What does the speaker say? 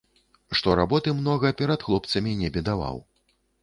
Што работы многа, перад хлопцамі не бедаваў.